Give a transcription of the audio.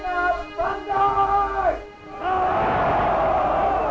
万歳！